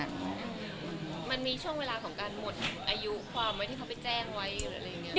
มันมีช่วงเวลาของการหมดอายุความไว้ที่เขาไปแจ้งไว้อะไรอย่างนี้